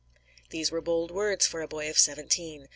These were bold words for a boy of seventeen.